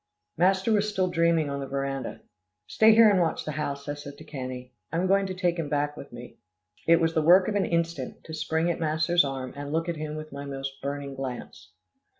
Master was still dreaming on the veranda. "Stay here and watch the house," I said to Cannie, "I'm going to take him back with me." It was the work of an instant, to spring at master's arm and look at him with my most burning glance.